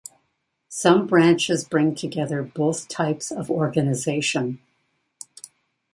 Some branches bring together both types of organisation.